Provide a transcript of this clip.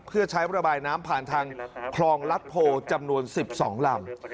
เพื่อใช้ระบายน้ำผ่านทางคลองรัฐโพจำนวน๑๒ลำ